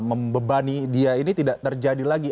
membebani dia ini tidak terjadi lagi